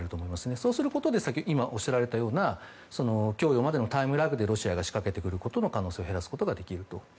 そうすることで今おっしゃったような供与までのタイムラグでロシアが仕掛けてくることの可能性を低くさせることができると。